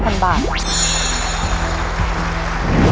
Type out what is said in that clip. ถูกสั่งบาท